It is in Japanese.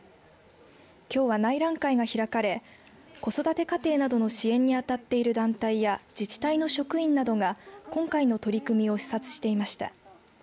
きょうは内覧会が開かれ子育て家庭などの支援にあたっている団体や自治体の職員などが今回の取り組みを視察していました。